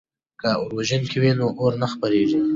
که اوروژونکي وي نو اور نه خپریږي.